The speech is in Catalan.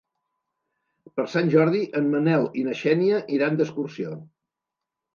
Per Sant Jordi en Manel i na Xènia iran d'excursió.